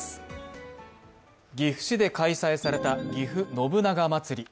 岐阜市で開催された、ぎふ信長まつり。